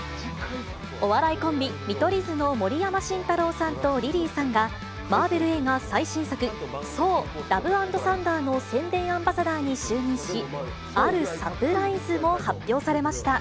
お笑いコンビ、見取り図の盛山晋太郎さんとリリーさんが、マーベル映画最新作、ソー：ラブ＆サンダーの宣伝アンバサダーに就任し、あるサプライズも発表されました。